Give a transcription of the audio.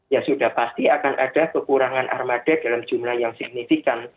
ya sudah pasti akan ada kekurangan armada dalam jumlah yang signifikan